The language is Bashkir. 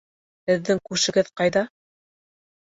Һеҙҙең күршегеҙ ҡайҙа?